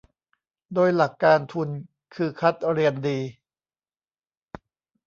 โดยหลักการทุนคือคัดเรียนดี